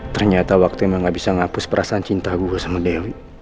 ternyata waktu emang gak bisa menghapus perasaan cinta gue sama dewi